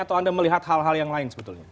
atau anda melihat hal hal yang lain sebetulnya